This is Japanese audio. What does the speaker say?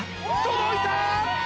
届いた！